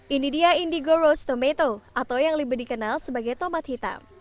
ini dia indigo rose tomato atau yang lebih dikenal sebagai tomat hitam